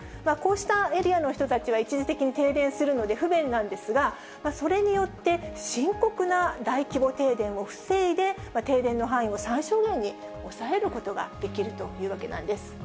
こうしたエリアの人たちは一時的に停電するので不便なんですが、それによって、深刻な大規模停電を防いで、停電の範囲を最小限に抑えることができるというわけなんです。